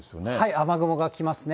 雨雲が来ますね。